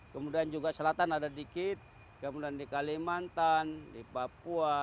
kemudian juga selatan ada dikit kemudian di seluruh indonesia dan di seluruh indonesia